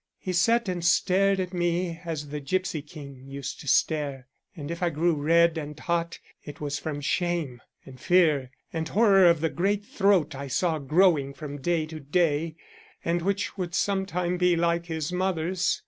He sat and stared at me as the gipsy king used to stare, and if I grew red and hot it was from shame and fear and horror of the great throat I saw growing from day to day, and which would some time be like his mother's.